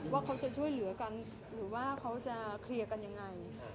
ว่าเขาจะช่วยเหลือกันหรือว่าเขาจะเคลียร์กันยังไง